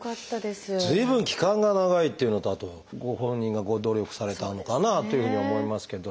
随分期間が長いっていうのとあとご本人が努力されたのかなというふうに思いますけど。